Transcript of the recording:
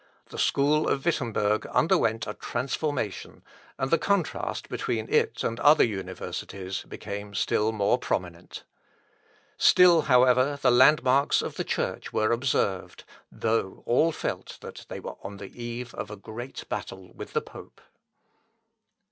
The school of Wittemberg underwent a transformation, and the contrast between it and other universities became still more prominent. Still, however, the landmarks of the Church were observed, though all felt that they were on the eve of a great battle with the pope.